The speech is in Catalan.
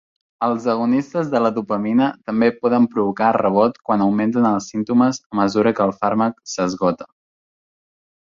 Els agonistes de la dopamina també poden provocar rebot quan augmenten els símptomes a mesura que el fàrmac s'esgota.